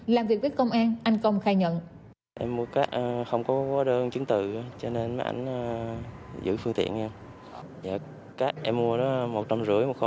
làm việc với công an anh công khai nhận